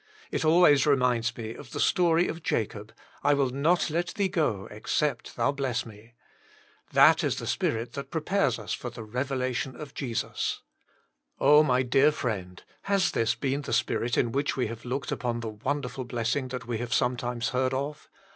It always reminds me of the story of Jacob, <* I will not let Thee go, except Thou bless me." That is the spirit that prepares us for the revelation of Jesus. Oh I my dear friend, has this been the spirit in which we have looked upon the wonderful blessing that we have sometimes heard of